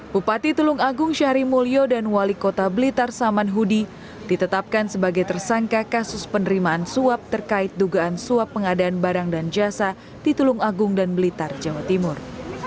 bupati tulung agung syahri mulyo dan wali kota blitar saman hudi ditetapkan sebagai tersangka kasus penerimaan suap terkait dugaan suap pengadaan barang dan jasa di tulung agung dan blitar jawa timur